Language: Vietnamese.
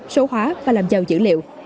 số hóa và làm giàu dữ liệu